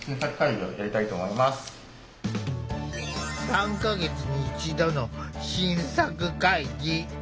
３か月に１度の新作会議。